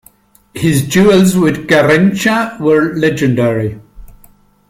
His duels with Garrincha were legendary.